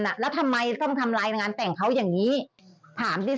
อืมเจ้าสาวไม่อยากให้เป็นข่าวแต่งงานมาสิบสองปี